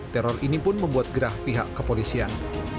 teror ini pun membuat gerah pihak kepolisian